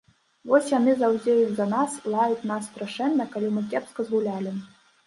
Вось яны заўзеюць за нас, лаюць нас страшэнна, калі мы кепска згулялі.